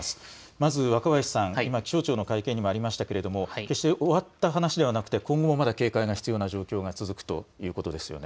まず若林さん、今気象庁の会見にもありましたが決して終わった話ではなくて今後もまだ警戒が必要な状況が続くということですよね。